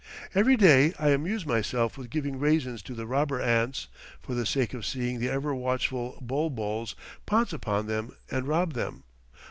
Every day I amuse myself with giving raisins to the robber ants, for the sake of seeing the ever watchful bul buls pounce upon them and rob them.